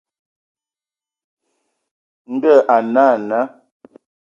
Ndɔ hm a nə naa.